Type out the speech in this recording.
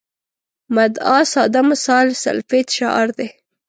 مدعا ساده مثال سلفیت شعار دی.